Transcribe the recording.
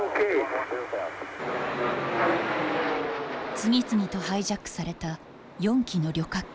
次々とハイジャックされた４機の旅客機。